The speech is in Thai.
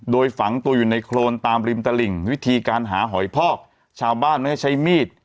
โดยฝังตัวอยู่ในโครนตามริมตลิ่งวิธีการหาหอยพอกชาวบ้านไม่ให้ใช้มีด